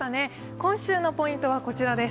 今週のポイントはこちらです。